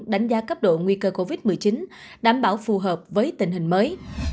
đánh giá cấp độ nguy cơ covid một mươi chín đảm bảo phù hợp với tình hình mới